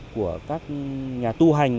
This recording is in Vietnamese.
của các nhà tu hành